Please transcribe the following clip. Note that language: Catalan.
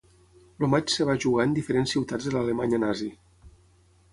El matx es va jugar en diferents ciutats de l'Alemanya nazi.